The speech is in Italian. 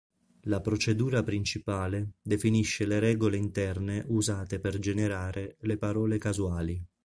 La procedura principale definisce le regole interne usate per generare le parole casuali.